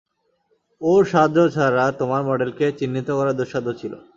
ওর সাহায্য ছাড়া তোমার মডেলকে চিহ্নিত করা দুঃস্বাধ্য ছিল।